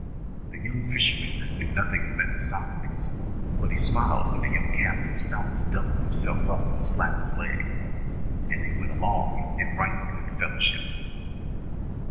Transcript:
The young fisherman knew nothing of Mephistopheles; but he smiled when the captain stopped to double himself up and slap his leg, and they went along in right goodfellowship.